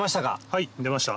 はい出ました。